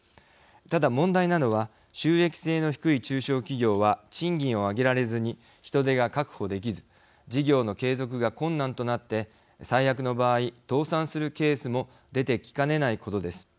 ただ、問題なのは収益性の低い中小企業は賃金を上げられずに人手が確保できず事業の継続が困難となって最悪の場合、倒産するケースも出てきかねないことです。